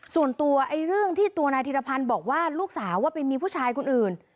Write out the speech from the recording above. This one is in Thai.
ส่วนตัวเรื่องที่ตัวนายธิรพันธ์บอกว่าลูกสาวว่าไปมีผู้ชายคนอื่น